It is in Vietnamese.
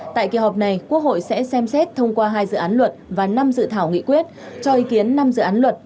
tại kỳ họp này quốc hội sẽ xem xét thông qua hai dự án luật và năm dự thảo nghị quyết cho ý kiến năm dự án luật